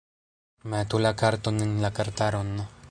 Metu la karton en la kartaron